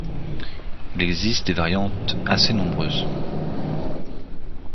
Il existe des variantes assez nombreuses.